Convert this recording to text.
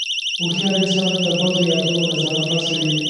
هوښیار انسان د بدو یادونو نه ځان خلاصوي.